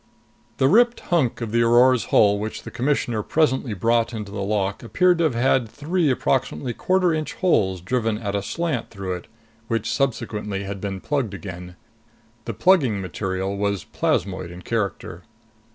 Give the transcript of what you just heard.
The ripped hunk of the Aurora's hull which the Commissioner presently brought into the lock appeared to have had three approximately quarter inch holes driven at a slant through it, which subsequently had been plugged again. The plugging material was plasmoid in character.